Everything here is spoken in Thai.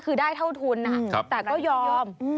คือได้เท่าทุนแต่ก็ยอม